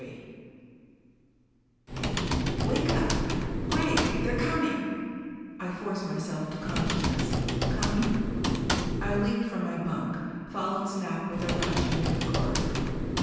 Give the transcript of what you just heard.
XXXIII "Wake up. Gregg! They're coming!" I forced myself to consciousness. "Coming " I leaped from my bunk, followed Snap with a rush into the corridor.